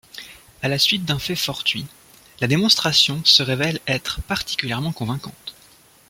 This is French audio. À la suite d'un fait fortuit, la démonstration se révèle être particulièrement convaincante.